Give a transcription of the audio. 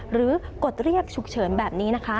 หรือกดเรียบฉุกเฉินแบบนี้